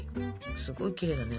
すごいきれいだね。